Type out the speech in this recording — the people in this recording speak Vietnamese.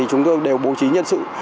chúng tôi đều bố trí nhân sự